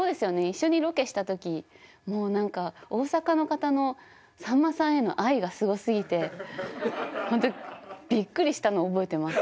一緒にロケした時もう何か大阪の方のさんまさんへの愛がすごすぎてほんとびっくりしたのを覚えてます。